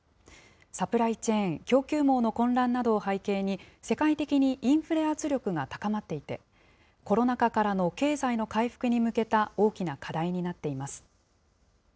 サプライチェーン・供給網の混乱などを背景に、世界的にインフレ圧力が高まっていて、コロナ禍からの経済の回復に向けた大きな課題になっています。